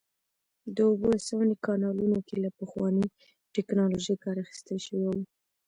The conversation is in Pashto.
د اوبو رسونې کانالونو کې له پخوانۍ ټکنالوژۍ کار اخیستل شوی و